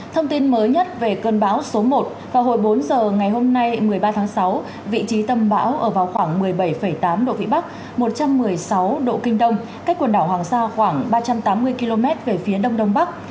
thông tin mới nhất về cơn bão số một vào hồi bốn giờ ngày hôm nay một mươi ba tháng sáu vị trí tâm bão ở vào khoảng một mươi bảy tám độ vĩ bắc một trăm một mươi sáu độ kinh đông cách quần đảo hoàng sa khoảng ba trăm tám mươi km về phía đông đông bắc